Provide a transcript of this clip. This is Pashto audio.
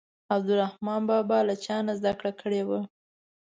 عبدالرحمان بابا له چا نه زده کړه کړې وه.